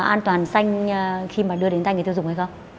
an toàn xanh khi mà đưa đến tay người tiêu dùng hay không